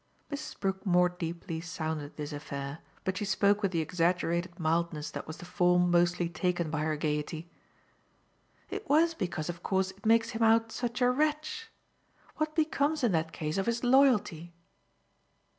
Mrs. Brook more deeply sounded this affair, but she spoke with the exaggerated mildness that was the form mostly taken by her gaiety. "It was because of course it makes him out such a wretch! What becomes in that case of his loyalty?"